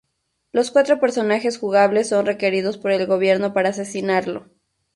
Los cuatro personajes jugables son requeridos por el gobierno para asesinarlo.